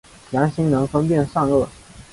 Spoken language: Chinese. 良心能分辨善恶。